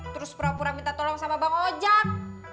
terus pura pura minta tolong sama bang ojang